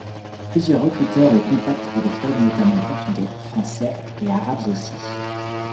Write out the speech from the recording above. Plusieurs recruteurs le contact pour des clubs notamment portugais, français et arabes aussi.